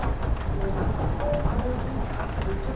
あらあらあらちょっと。